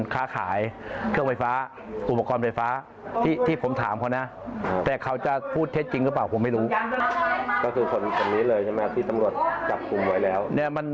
ก็คือคนแบบนี้เลยใช่ไหมที่ตำรวจกลับคุมไว้แล้ว